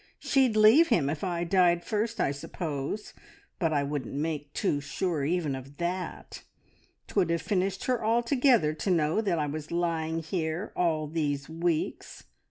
She'd leave him if I died first, I suppose, but I wouldn't make too sure even of that. 'Twould have finished her altogether to know that I was lying here all these weeks.